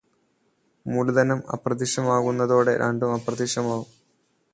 മൂലധനം അപ്രത്യക്ഷമാവുന്നതോടെ രണ്ടും അപ്രത്യക്ഷമാവും.